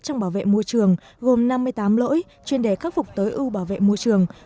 trong bảo vệ môi trường gồm năm mươi tám lỗi chuyên đề khắc phục tới ưu bảo vệ môi trường một mươi một